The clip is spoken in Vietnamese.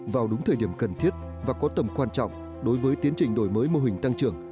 vào đúng thời điểm cần thiết và có tầm quan trọng đối với tiến trình đổi mới mô hình tăng trưởng